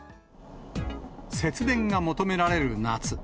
節電が求められる夏。